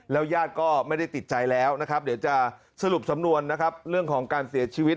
แล้วย่าดก็ไม่ได้ติดใจแล้วเดี๋ยวจะสรุปสำนวนเรื่องของการเสียชีวิต